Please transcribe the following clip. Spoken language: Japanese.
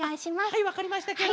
はいわかりましたケロ。